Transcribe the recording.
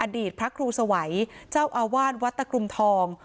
อดีตพระครูสวัยเจ้าอาวาสวัดตะกรุมทอง